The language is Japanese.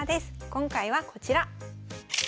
今回はこちら。